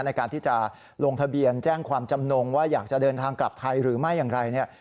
ในการที่จะลงทะเบียนแจ้งความจำนงว่าอยากจะเดินทางกลับไทยหรือไม่อย่างไรเนี่ย